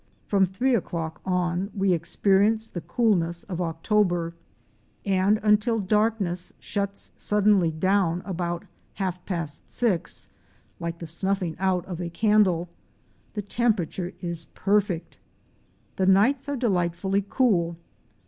From three o'clock on we experi ence the coolness of October and until darkness shuts sud denly down about half past six —like the snuffing out of a candle — the temperature is perfect. The nights are de lightfully cool.